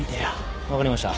分かりました。